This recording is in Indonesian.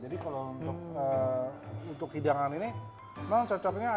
jadi kalau untuk hidangan ini memang cocoknya ayam berjantan